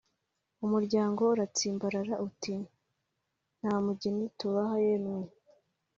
umuryango uratsimbarara uti: ”nta mugeni tubaha yemwe